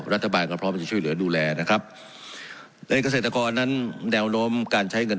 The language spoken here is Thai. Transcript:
รัฐบาลก็พร้อมจะช่วยเหลือดูแลนะครับในเกษตรกรนั้นแนวโน้มการใช้เงิน